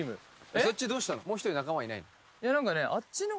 そっちどうしたの？